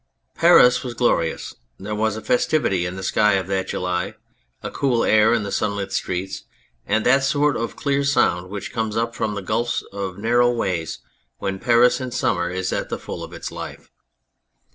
Paris was glorious. There was a festivity in the sky of that July, a cool air in the sunlit streets, and that sort of clear sound which comes up from the gulfs of the narrow ways when Paris in summer is at the full of its life.